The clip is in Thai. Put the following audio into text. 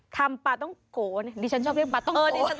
ทำปลาท่องโกะเนี่ยดิฉันชอบเรียกปลาท่องโกะ